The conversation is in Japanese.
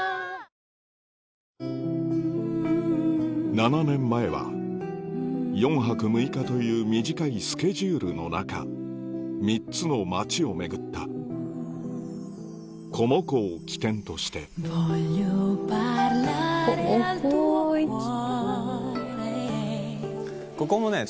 ７年前は４泊６日という短いスケジュールの中３つの街を巡ったコモ湖を起点としてコモ湖行きたい！